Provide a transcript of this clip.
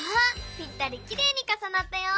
ぴったりきれいにかさなったよ！